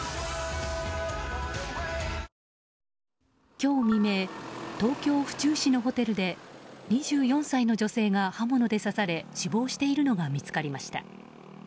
今日未明東京・府中市のホテルで２４歳の女性が刃物で刺され死亡しているのが見つかりました。